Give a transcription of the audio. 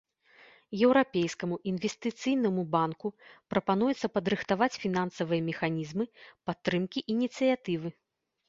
Еўрапейскаму інвестыцыйнаму банку прапануецца падрыхтаваць фінансавыя механізмы падтрымкі ініцыятывы.